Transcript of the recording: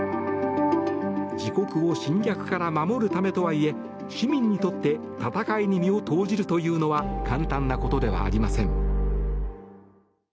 自国を侵略から守るためとはいえ市民にとって戦いに身を投じるというのは簡単なことではありません。